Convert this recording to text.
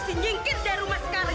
sini kita pergi dulu